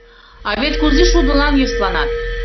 А вет кузе шудылан йӧсланат!